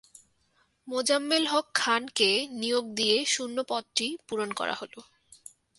মোজাম্মেল হক খানকে নিয়োগ দিয়ে শূন্য পদটি পূরণ করা হলো।